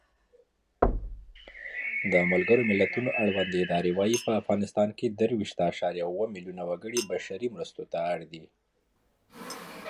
All rolling stock ran on standard gauge light rail.